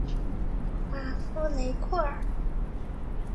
马夫雷库尔。